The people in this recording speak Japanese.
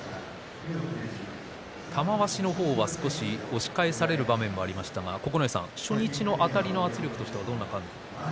玉鷲の方は少し押し返される場面もありましたが、九重さん初日のあたりの圧力はどうでしたか？